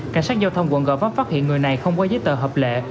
cảnh sát giao thông quận gò vấp phát hiện người này không có giấy tờ hợp lệ